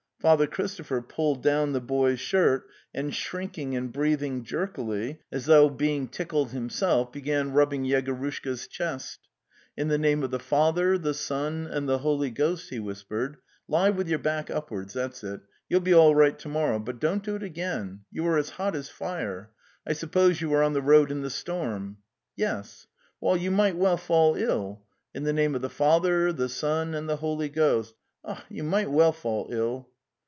Father Christopher pulled down the boy's shirt, and shrinking and breathing jerkily, as though he were 290 The Tales of Chekhov being tickled himself, began rubbing Yegorushka's chest. ''In the name of the Father, the Son, and the Holy Ghost," he whispered, "' lie with your back up wards — that's it. ... You'll be all right to mor row, \but dont) doitagaims).)1)/s) Vou vanevasmnot as fire. JI suppose you were on the road in the storm." ce Mes? 'You might well fall ill! In the name of the Father,\|the Sen,' and) the' /Ffoly)Ghost,)7\..:4you might well fall ill!"